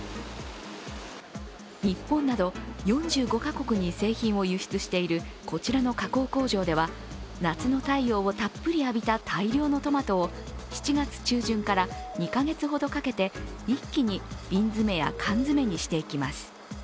日本など４５か国に製品を輸出しているこちらの加工工場では夏の太陽をたっぷり浴びた大量のトマトを７月中旬から２か月ほどかけて一気に瓶詰や缶詰にしていきます。